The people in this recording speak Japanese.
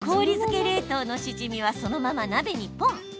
氷漬け冷凍のしじみはそのまま鍋に、ぽん。